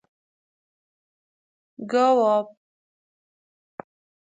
گاو آب